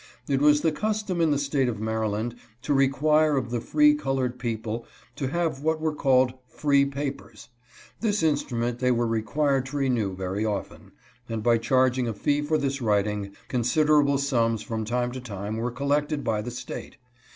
It was the custom in the State of Maryland to require of the free colored peo ple to have what were called free papers. This instru ment they were required to renew very often, and by charging a fee for this writing, considerable sums from time to time were collected by the State.